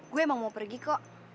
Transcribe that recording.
gue emang mau pergi kok